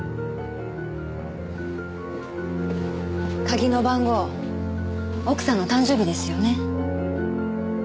鍵の番号奥さんの誕生日ですよね？